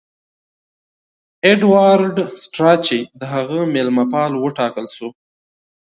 ایډوارډ سټراچي د هغه مېلمه پال وټاکل سو.